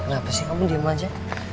kenapa sih kamu diem aja